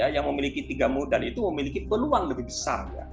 yang memiliki tiga modal itu memiliki peluang lebih besar